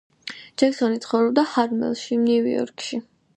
ჯექსონი ცხოვრობდა ჰარლემში, ნიუ-იორკი.